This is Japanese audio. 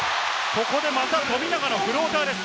ここでまた富永のフローターです。